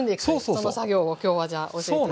その作業を今日はじゃあ教えて頂く。